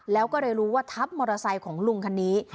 แล้วก็เลยรู้ว่าทับมอเตอร์ไซค์ของลุงคันนี้